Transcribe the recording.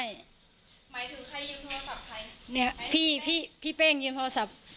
หมายถึงใครยืมโทรศัพท์ใครเนี่ยพี่พี่เป้งยืมโทรศัพท์